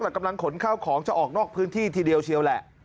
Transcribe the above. กำลังขนข้าวของจะออกนอกพื้นที่ทีเดียวเชียวแหละ